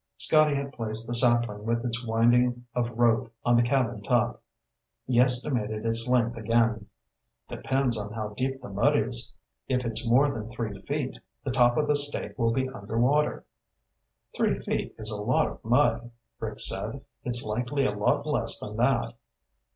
Scotty had placed the sapling with its winding of rope on the cabin top. He estimated its length again. "Depends on how deep the mud is. If it's more than three feet, the top of the stake will be under water." "Three feet is a lot of mud," Rick said. "It's likely a lot less than that."